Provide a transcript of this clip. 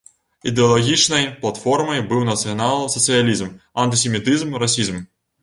Ідэалагічнай платформай быў нацыянал-сацыялізм, антысемітызм, расізм.